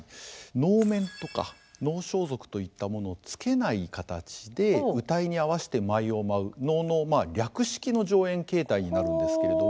能面とか能装束といったものをつけない形で謡に合わせて舞を舞う能の略式の上演形態になるんですけれども。